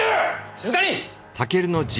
静かに！